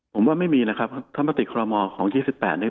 ผมว่าไม่มีนะครับถ้ามาติดคอรมอลของ๒๘นี่